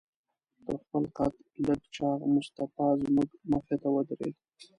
تر خپل قد لږ چاغ مصطفی زموږ مخې ته ودرېد.